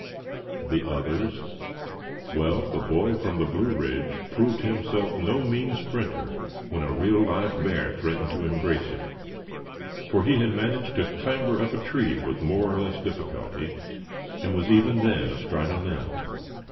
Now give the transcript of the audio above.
The others? Well, the boy from the Blue ridge proved himself no mean sprinter when a real live bear threatened to embrace him; for he had managed to clamber up a tree with more or less difficulty, and was even then astride a limb.